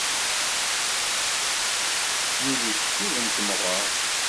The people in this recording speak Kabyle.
Yuli-t ccib n temɣer.